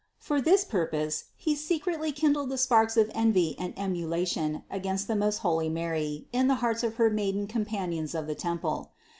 For this purpose he secretly kindled the sparks of envy and emula tion against the most holy Mary in the hearts of her maiden companions of the temple.